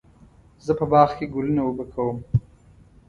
زه په باغ کې ګلونه اوبه کوم.